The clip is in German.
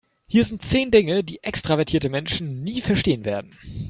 Hier sind zehn Dinge, die extravertierte Menschen nie verstehen werden.